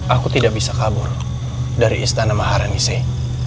aku tidak bisa kabur dari istana maharani saya